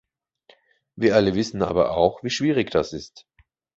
Wir alle wissen aber auch, wie schwierig das ist.